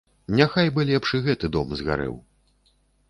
Няхай бы лепш і гэты дом згарэў.